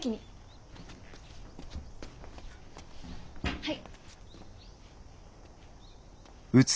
はい。